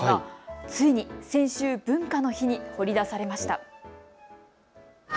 ついに先週、文化の日に掘り出されました。